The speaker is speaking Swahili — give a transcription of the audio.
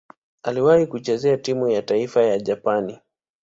Aliwahi kucheza timu ya taifa ya Japani.